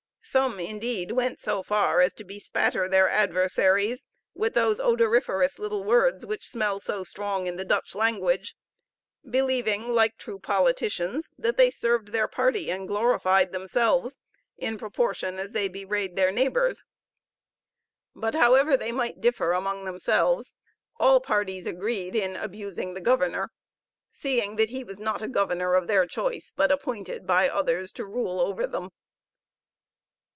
Some, indeed, went so far as to bespatter their adversaries with those odoriferous little words which smell so strong in the Dutch language; believing, like true politicians, that they served their party and glorified themselves in proportion as they bewrayed their neighbors. But, however they might differ among themselves, all parties agreed in abusing the governor, seeing that he was not a governor of their choice, but appointed by others to rule over them.